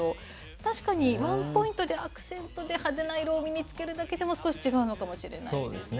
確かに、ワンポイントでアクセントで派手な色を身につけるだけでも、少しそうですね。